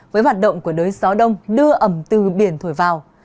với hoạt động của đới gió đông đưa ẩm từ biển thổi vào